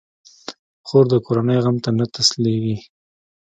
خور د کورنۍ غم ته نه تسلېږي.